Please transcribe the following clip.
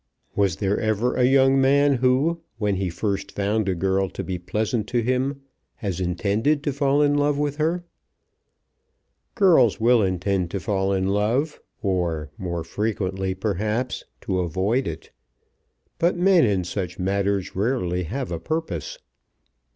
Was there ever a young man who, when he first found a girl to be pleasant to him, has intended to fall in love with her? Girls will intend to fall in love, or, more frequently perhaps, to avoid it; but men in such matters rarely have a purpose.